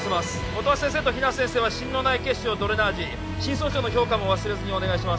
音羽先生と比奈先生は心嚢内血腫をドレナージ心損傷の評価も忘れずにお願いします